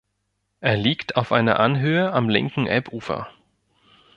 Er liegt auf einer Anhöhe am linken Elbufer.